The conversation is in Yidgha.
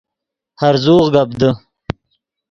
ہرزوغ گپ دے